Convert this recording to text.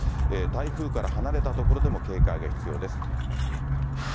台風から離れた所でも警戒が必要です。